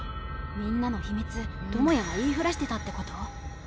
みんなの秘密智也が言いふらしてたってこと？